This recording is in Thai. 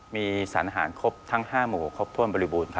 มีสรรหารครบทั้ง๕หมู่ครบถ้วนบริบูรณ์